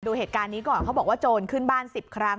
ดูเหตุการณ์นี้ก่อนเขาบอกว่าโจรขึ้นบ้าน๑๐ครั้ง